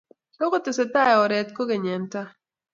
tukutesetai oret kukeny eng' tai